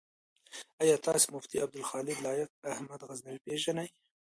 آيا تاسو مفتي ابوخالد لائق احمد غزنوي پيژنئ؟